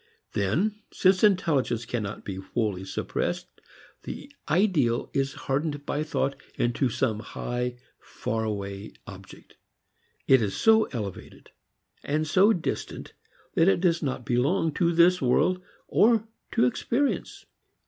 Then, since intelligence cannot be wholly suppressed, the ideal is hardened by thought into some high, far away object. It is so elevated and so distant that it does not belong to this world or to experience.